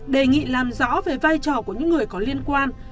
đề nghị làm rõ về vai trò của những người có liên quan